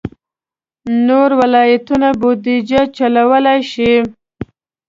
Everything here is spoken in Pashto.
نور ولایتونه بودجه چلولای شي.